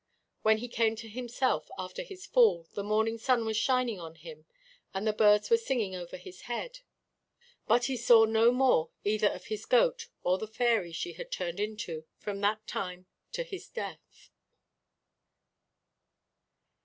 When he came to himself, after his fall, the morning sun was shining on him and the birds were singing over his head. But he saw no more of either his goat or the fairy she had turned into, from that time to his death.